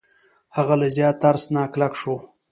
هغه له زیات ترس نه کلک شو.